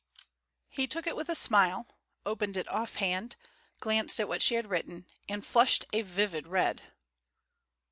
He took it with a smile, opened it offhand, glanced at what she had written, and flushed a vivid red.